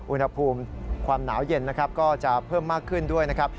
อุณหภูมิความหนาวเย็นนะครับก็จะเพิ่มมากขึ้นด้วยนะครับ